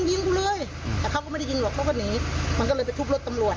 ยิงกูเลยแต่เขาก็ไม่ได้ยิงหรอกเขาก็หนีมันก็เลยไปทุบรถตำรวจ